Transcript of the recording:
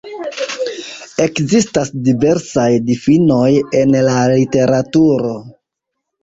Ekzistas diversaj difinoj en la literaturo.